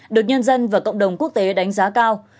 được nhân dân và cộng đồng quốc tế đánh giá cao